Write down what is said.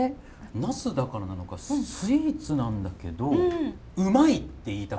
ナスだからなのかスイーツなんだけどうまいって言いたくなる味です。